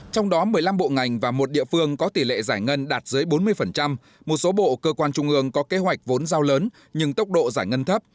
trong đó một mươi năm bộ ngành và một địa phương có tỷ lệ giải ngân đạt dưới bốn mươi một số bộ cơ quan trung ương có kế hoạch vốn giao lớn nhưng tốc độ giải ngân thấp